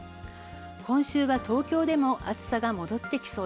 今週は東京でも暑さが戻るでしょう。